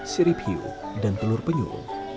sirip hiu dan telur penyu